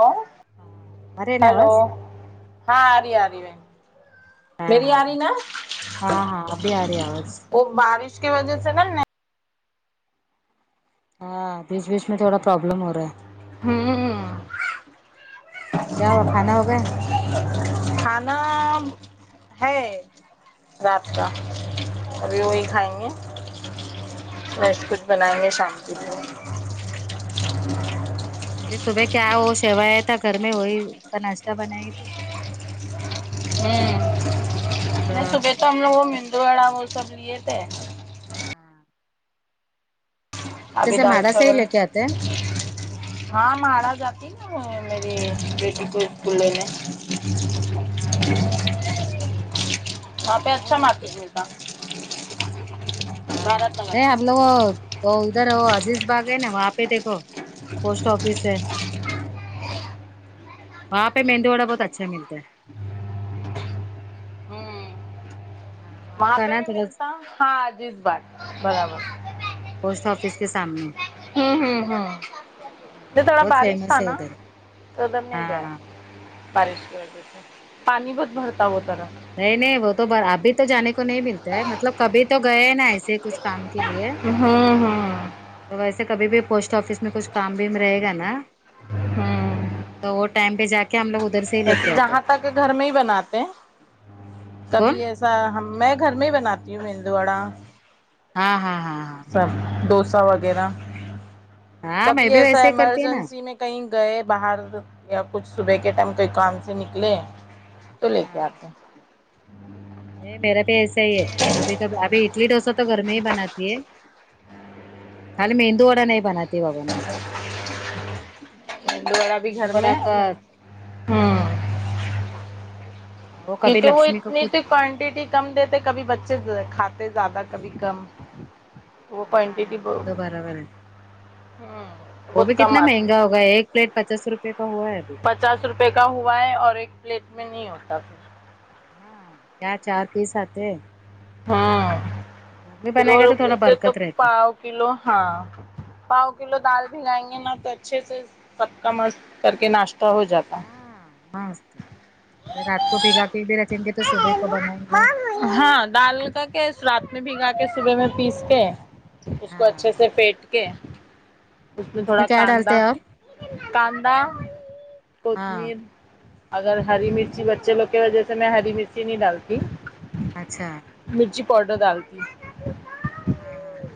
hello آ رہے نا ہیلو آواز ہاں آرہی آرہی بہن ہاں میری ہاں آری ہاں نا ہاں ہاں ابھی آ رہی ہے آواز وہ بارش کی وجہ سے نا ہاں بیچ بیچ میں تھوڑا پرابلم ہو رہا ہے ہممم کیا ہوا کھانا ہوگا کھانا ہے رات کا ابھی وہی اچھا کھائیں گے ہاں بسکٹ بنائیں گے شام کی ا صبح کیا وہ شیوایا تھا گھر میں وہی اس کا ناشتہ بنائی تھی ہ اور نہیں صبح تو ہم لوگ وہ مندو وڑا وہ سب لیے تھے ہاں ادھر ابھی سے ڈال ماڑا سے ہی چاول لے کے آتے ہیں ہے ہاں مارا جاتی نا میری بیٹی کو اسکول لینے ہاں ہاں ہاں وہاں پہ نہیں اچھا اوکے مارکیٹ ملتا ہاں ہاں بھارت نگر نہیں ہم لوگ وہ ادھر وه عزیز باگ ہے نا وہاں پہ دیکھو پوسٹ آفس ہے وہاں پہ مندو واڈا بہت اچھا متا ہے ہمم ہاں وہاں کا پہ نا بھی تھوڑا ملتا ہاں عجیز باغ برابر پوسٹ آفس کے سامنے ہممم ج ہاں تھوڑا بہت بارش تھا فیمس ہے نا ادھر تو ادھر نہیں گیا ہاں بارش کی وجہ سے پانی بت بھرتا وه طرف نہیں نہیں وہ تو بھر ابھی تو جانے کو نہیں ملتا ہے مطلب کبھی تو گئے نا ایسے ہی کچھ کام کے لیے ہوں ہوں تو ویسے کبھی بھی پوسٹ آفس میں کچھ کام بھیم رہے گا نا ہوں تو وہ ٹائم پہ جا کے ہم لوگ ادھر سے ہی لے ایسے کے آتے ہیں جہاں تک گھر میں ہی بناتے ہیں کون تبھی ایسے سا میں گھر میں ہی بناتی ہوں مدو وڑا ہاں ہاں ہاں ہاں ڈوسا وغیرہ ہاں میں کبھی بھی ایسا ویسے ہی کرتی ہے نا ایمرجنسی میں کہیں گئے باہر یا کچھ صبح کے ٹائم کوئی کام سے نکلے تو لے کے ہاں آتے نہیں میرا بھی ایسا ہی ہے کبھی کبھی ابھی اڈلی ڈوسا تو گھر میں ہی بناتی ہے خالی مندو واڈا نہیں بناتی بابا میں میندو وڑا بھی مندو گھر وڈ میں کا ہوں وہ کبھی کیکے وه لکشمی کو اتنی خود تو کوانٹیٹی کم دیتے کبھی بچے کھاتے زیادہ کبھی کم وہ ہاں کوانٹیٹی ہاں وہ بت تو برابر ہے ہ بہت بھی کم کتنا آتی مہنگا وہ ایک پلیٹ پچاس روپئے کا ہوا ہے ابھی پچاس روپے کا ہوا ہے اور ایک پلیٹ میں نہیں ہوتا پ ہاں کیا چار پیس آتے ہاں گھر میں پھر بنائے گا اور تو تھوڑا اسے تو برکت رہتا ہے پاؤ کلو ہاں پاؤ کلو دال بھیگائیں گے نا تو اچھے سے سبکا مست کر کے ناشتا ہاں مست اگر رات کو بگا پ بھی رکھیں گے تو صبح کو بنائیں گے ہاں ڈال کر کے رات میں بھیگا کے صبح میں پیس کے اس کو اچھے ہاں سے اس پھیٹ کے اس میں تھوڑا کیا ڈالتے کاندا ہیں اور کاندا ہاں کتمیر اگر ہری مرچی بچے لوگ کی وجہ سے میں ہری مرچی نہیں ڈالتی اچھا مرچی پاؤڈر ڈالتی ہاں ہاں ہاں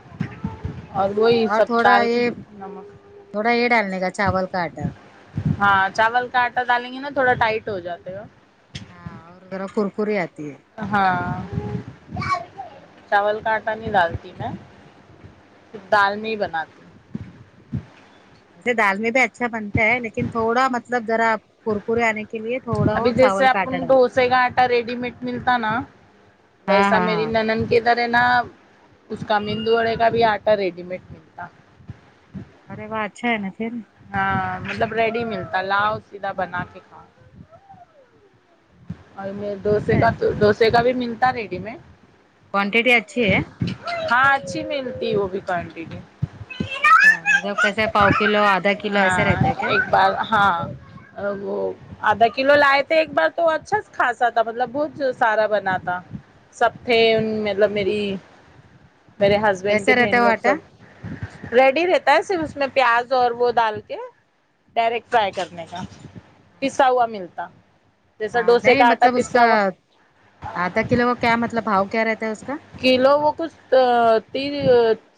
اور وہی اور سب تھوڑا دال کے یہ نمک تھوڑا یہ ڈالنے کا چاول کا آٹا ہاں چاول کا آٹا ڈالیں گے نا تھوڑا ٹائٹ ہو جاتے ہو ہاں اور ذرا کورکریی آتی ہے ہاں ویسے چاول کاٹ پانی ڈالتی میں پھر دال نہیں بناتی ہوں ویسے دال میں بھی اچھا بنتا ہے لیکن تھوڑا مطلب ذرا کورکریے آنے کے لیے تھوڑا وہ ابھی چاول جیسے کا اٹا اپن ڈالنے ڈھوسے کا آٹا ریڈی میڈ ملتا نا ویسا میری نانند کے ادھر ہے نا اس کا مندو اڑے کا بھی آٹا ریڈی میڈ ملتا ارے وا اچھا ہے نا پھر ہاں مطلب ریڈی ملتا لاؤ سیدھا بنا کے کھاؤ اور اچھا ڈوسے ہے کا پھر تو ڈوسے کا بھی ملتا ریڈی مڈ قانتیتنے اچھی ہے ہاں اچھی ملتی وہ بھی کوانٹیٹی ہاں مطب کسے پؤ کلو کلو ایسا ہاں رہتا ہے کیا ایک بار ہاں وہ آدھا کلو لائے تھے ایک بار تو اچھا سے کھاسا تھا مطلب بہت سارا بنا تھا سب تھے ان مطلب میری میرے ہسبینڈ کے کیسا رہتا بہن ہے وہ لوگ آٹا سب ریڈی رہتا ہے صرف اس میں پیاز اور وہ ڈال کے ڈائریکٹ فرائی کرنے کا پسا ہوا ملتا جسا ہاں ڈوسے نہیں کا آٹا مطلب اس پیسا کا وا آدھا کلو کیا مطلب بہاؤ کیا رہتا ہے اسکا کلو وہ کچھ تین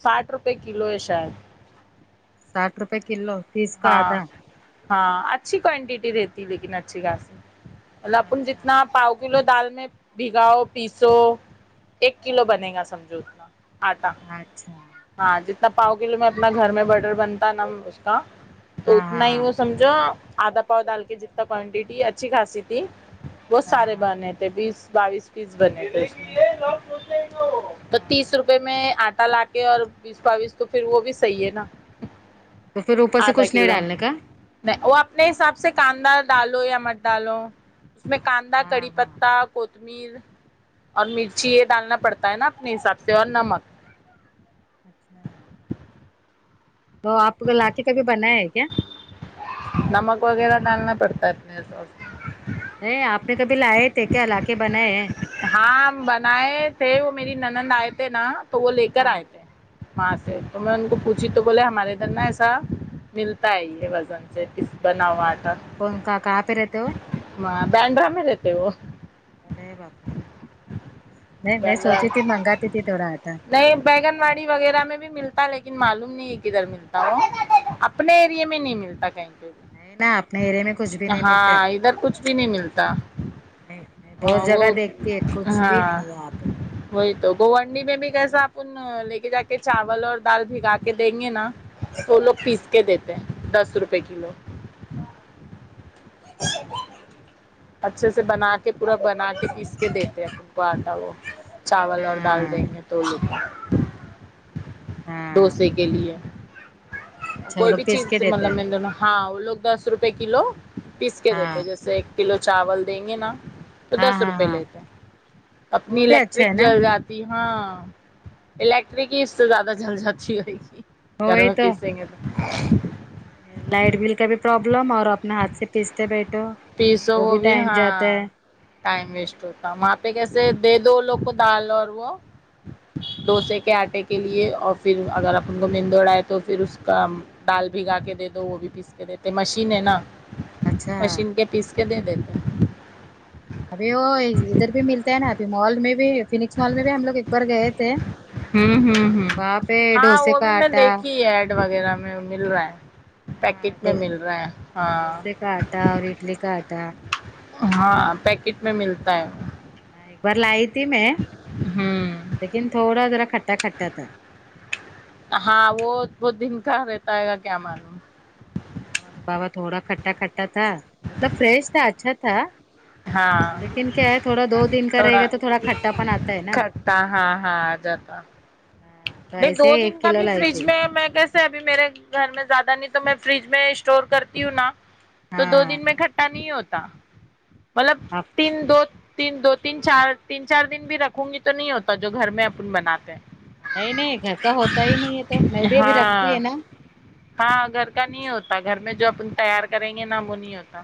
ساٹھ روپے کلو ہے شاید ساٹ روپے کیلو ہاں ہاں اچھی کوانٹیٹی دیتی لیکن اچھی خاصی مطلب اپن اچھا جتنا پاؤ کلو دال میں بھگاؤ پیسو ایک کلو بنے گا سمجھو اتنا آٹا اچھا ہاں جتنا پاؤ کلو میں اپنا گھر میں بٹر بنتا ہے نا اس کا تو ہاں ہاں اتنا ہی ہاں وہ سمجھو آدا پاؤ ڈال کے جتنا کوانٹیٹی اچھی خاصی تھی بہت ہاں سارے ہاں بنے تھے بیس بائیس پیس بنے تھے اس تو ہاں تیس روپے میں آٹا لا کے اور بیس بویس تو پھر وہ بھی صحیح ہے نا تو پھر اوپر سے آدھا کچھ نہیں کلو ڈالنے کا نہیں وہ اپنے حساب سے کاندا ڈالو یا مٹ ڈالو اس میں کاندا ہاں کڑی ہاں پتتا کوتمیر اور مرچی یہ ڈالنا پڑتا ہے نا اپنے حساب سے اور نمک اچھا تو اپ لاکے کے کبھی بنائے ہیں کیا نمک وغیرہ ڈالنا پڑتا ہے اپنے نہیں آپ نے کبھی لائے تھے کیا لاکے بنائی ہاں بنائے تھے وہ میری نند آئے تھے نا تو وہ لے کر ہاں آئے تھے وہاں سے تو میں ان کو پوچھی تو بولے ہمارے ادھر نہ ایسا ملتا یہ وزن سے اسے بناؤ اج انکا کھا پے رہتی وہ ا بندرا میں رہتے وہ ارے باپ نہیں میں سوچی بینڈرا تھی منگاتی تھی تھوڑا آٹا نہیں بینگن واڑی وغیرہ میں بھی ملتا ہے لیکن معلوم نہی کدھر ملتا ہوں اپنے ایریے میں نہیں ملتا کہیں پہ نہیں نا اپنے ایریے میں کچھ بھی نہیں ملتا ہے، ہاں ادھر کچھ بھی نہیں ملتا نہیں بہت جگہ وہ دیکھتی ہے کچھ بھی نہیں ہاں ہے یہاں پہ وہی تو گوانڈی میں بھی کیسا اپن لے کے جا کے چاول اور دال بھگا کے دیں گے نا وہ لوگ پیس کے دیتے ہیں دس روپئے کلو اچھے سے بنا کے پورا بنا کے پیس کے دیتے ہیں کو آٹا وہ چاول اور دال ہاں دیں گے تو وہ لوگ ہاں ڈوسے کے لیے اچھا وہ کوئی لوگ بھی پیس کے چیز دیتے مطلب ہیں م نا ہاں وہ لوگ دس روپے کلو پیس کے دیتے ہاں جیسے ایک کلو چاول دیں گے نا تو ہاں دس ہاں روپئے ہاں لیتے ہیں وہ اپنی بھی اچھا الیکٹرک ہے ج نا ج ہاں الیکٹرک ہی اس سے زیادہ جل جاتی رہئے گی گھر وہی میں تو پیسے گے تو لائٹ بل کا بھی پرابلم اور اپنے ہاتھ سے پیستے بیٹھو وہ بھی ٹائم جاتا ہے ٹائم ویسٹ ہوتا وہاں پہ کیسے دے دو لوگ کو دال اور وہ ڈوسے کے آٹے کے لیے اور پھر اگر اپ ان کو مینند اڑ ہے تو پھر اس کا دال بھگا کے دے دو وہ بھی پیس کے دیتے مشین ہے نا اچھا مشین کے پیس کے دے دیتے ابھی وہ ادھر بھی ملتا ہے نا ابھی مال میں بھی فینکس مال میں بھی ہم لوگ ایک بار گئے تھے امم امم وہاں امم پہ ہاں ڈوسے وہ بھی کا میں آٹا دیکھی ہے ایںڈ وغیرہ میں مل رہا ہیں پیکٹ میں مل رہے ہیں ہاں کاآٹا اور اڈلی کاآٹا ہاں پیکٹ میں ملتا ہے ہاں ایک بار لائی تھی میں ہوں لیکن تھوڑا جرا کھٹا کھٹا تھا ہاں وہ بہت دن کا رہتا ہے گا کیا معلوم چاول بابا تھوڑا کھٹا کھٹا تھا مطلب فریش تھا اچھا تھا ہاں لیکن کیا ہے تھوڑا دو دن کا رہے گا تو تھوڑا کھٹا پن آتا ہے نا کھٹا ہاں ہاں آ جاتا ہاں تو نہیں دو ایسے دن ایک کا کلو بھی لائی فریج تھی میں میں کہس سے ابھی میرے گھر میں زیادہ نہیں تو میں فریج میں اسٹور کرتی ہوں نا تو دو ہاں دن میں کٹھا نہیں ہوتا مطلب آپ تین دو تین دو تین چار تین چار دن بھی رکھوں گی تو نہیں ہوتا جو گھر میں اپن بناتے ہیں نہیں نہیں گھر کا ہوتا ہی نہیں ہے تو میں بھی ابھی رکھتی ہاں ہے نا ہاں گھر کا نہیں ہوتا گھر میں جو اپن تیار کریں گے نا وہ نہیں آتا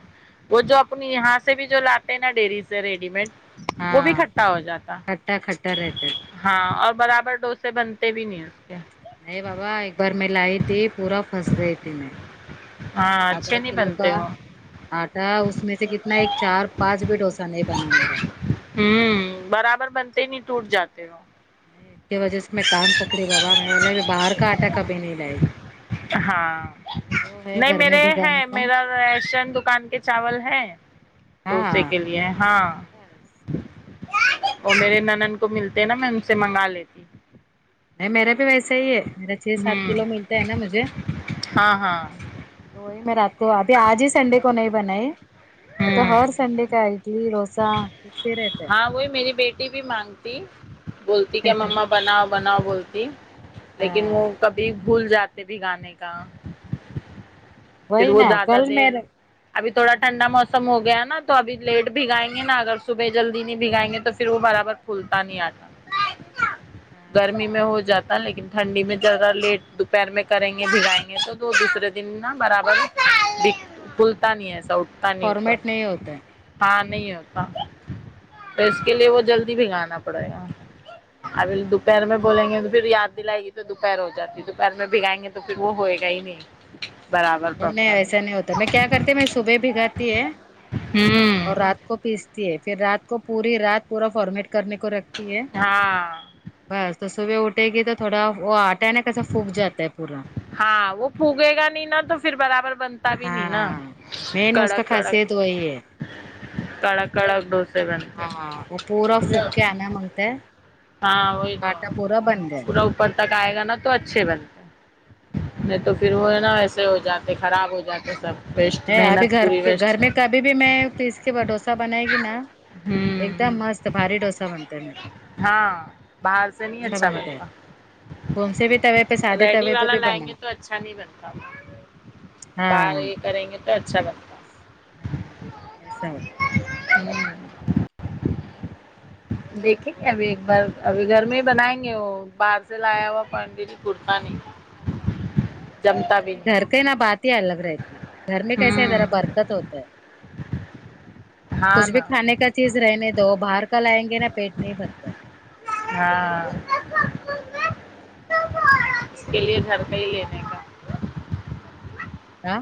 وہ جو اپنی یہاں سے بھی جو لاتے ہیں نا ڈیری سے ریڈیمڈ وہ بھی ہاں کٹھا ہو جاتا کھٹا کھٹا رہتا ہے ہاں اور برابر ڈوسے بنتے بھی نہیں اس کے نہیں بابا ایک بار میں لائی تھی پورا پھنس گئی تھی میں ہاں آدھا اچھے نہیں کلو کا بنتے وہ آٹا اس میں سے کتنا ایک چار پانچ بھی ڈوسا نہیں بنا میرا ھمم برابر بنتے ہی نہیں ٹوٹ جاتے وہ اس کی وجہ سے میں کان پکڑی بابا میں بولے باہر کا آٹا کبھی نہیں لائےگی نہیں گھر میں میرے ہے بھگانے کا میرا ریشن دکان کے چاو ل ہے ڈوسے ہاں کے لیے ہاں وہ میرے نند کو ملتے نا میں ان سے منگا لیتی نہیں میرا بھی ویسا ہی ہے میرا چھ سات ہوں کلو ملتا ہے نا مجھے ہاں ہاں تو وہی میں رات کو ابھی آج ہی سنڈے کو نہیں بنائی یہ تو ہوں ہر سنڈے کا اڈلی ڈوسا فکس ہی رہتا ہاں ہے وہی میری بیٹی بھی مانگتی بولتی کیا مما بناؤ بناؤ بولتی لیکن وہ ہاں کبھی بھول جاتے بھی گانے کا پھر وہی وہ نا زیادہ کل دیر میرے اب تھوڑا ٹھنڈا موسم ہو گیا ہے نا تو اب لیٹ بھگائیں گے نا اگر صبح جلدی نہیں بھگائیں گے تو پھر وہ برابر پولتا نہیں آٹا گرمی میں ہو جاتا لیکن ٹھنڈی میں زیادہ لیٹ دوپہر میں کریں گے بگائیں گے تو دوسرے دن نا برابر بھلتا نہیں ایسا اٹھتا نہیں اپر فارمیٹ نہیں ہوتا ہے ہاں نہیں ہوتا تو اس کے لیے وہ جلدی بھگانا پڑے گا ابھی ہاں دوپہر میں بولیں گے تو پھر یاد دلائے گی تو دوپہر ہو جاتی ہے دوپہر میں بگائیں گے تو پھر وہ ہوئے گا ہی نہیں برابر نہیں نہیں پراپر ایسا نہیں ہوتا میں کیا کرتی میں صبح بھگاتی ہے ہوں اور رات کو پیستی ہے پھر رات کو پوری رات پورا فارمیٹ کرنے کو رکھتی ہے ہاں بس تو صبح اٹھے گی تو تھوڑا وہ آٹا ہے نا کیسا پھک جا ہے پورا ہاں وہ پھگے گا ن نا تو پھر برابر بن پ بھی نہیں نا ہاں مین اس کا کڑک خاصیت وہی ہے کڑک کڑ کڑگ دوسے بنتے ہاں وہ پورا پھک کے آنا مانگتا ہے ہاں وہی آٹا پورا بن گیا تو اپر تک آئے گا نا تو اچھے بنتے نہیں تو پھر وہ ہے نا وسے ہو جاا خراب ہو جاتا سب ویسٹ ہے محنت گھر پوری ویسٹ گھر سے میں ابھی کبھی بھی میں پیس کے ڈوسا بنائے گی نا ہمم ایک دم مست باری ڈوسا بنتا ہے میرا ہاں باہر سے نہیں اچھا بنتا کون سے بھی توے پہ سادے ریڈی توے پہ والا بھی لائیں بنا گے تو اچھا نہیں بنتا ہاں بار یہ کریں گے تو اچھا بن ہاں بستا ہوں دیکھیں گے ابھی ایک بار ابھی گھر میں ہی بنائیں گے وہ باہر سے لایا ہوا پنڈ کرتا نہیں ہ جمتا بھی نہیں گھر کی نا بات ہی الگ رہتی ہے گھر میں کیسے ہیں ذرا ہوں برکت ہوتا ہے ہاں کچھ بھی نا کھانے کا چیز رہنے دو باہر کا لائیں گے نا پیٹ نہیں بھرتا ہاں اس کے لیے گھر کا ہی لینے کا ہاں